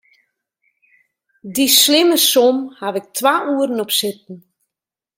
Dy slimme som haw ik twa oeren op sitten.